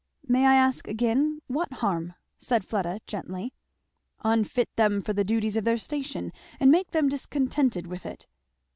"May I ask again, what harm?" said Fleda gently. "Unfit them for the duties of their station and make them discontented with it."